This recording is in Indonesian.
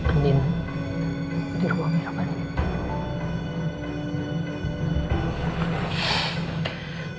andin di rumah om irfan